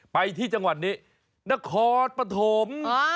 ไปที่จังหวัดนี้นครปฐม